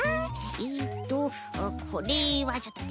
えっとこれはちょっとちがう。